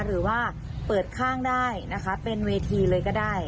หรือว่าเปิดข้างได้นะคะเป็นเวทีเลยก็ได้